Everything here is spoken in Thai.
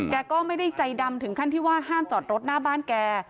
แกก็ไม่ได้ใจดำถึงขั้นที่ว่าห้ามจอดรถหน้าบ้านแก